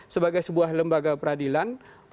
sebagai sebuah lembaga peradilan